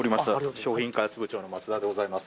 商品開発部長の松田でございます。